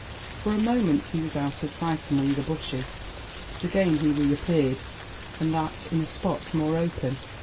For a moment he was out of sight among (he bushes ; but again he reappeared, and thai in a spot more open.